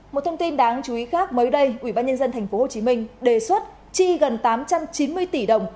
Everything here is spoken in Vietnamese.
một thông tin đáng chú ý khác mới đây ubnd tp hcm đề xuất chi gần tám trăm chín mươi tỷ đồng